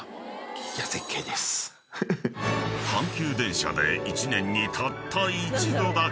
［阪急電車で一年にたった一度だけ］